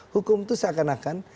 hukum itu seakan akan